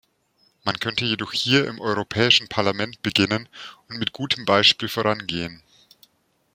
Man könnte jedoch hier im Europäischen Parlament beginnen und mit gutem Beispiel vorangehen.